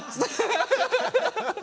ハハハハハ。